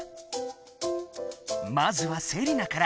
まずはセリナから。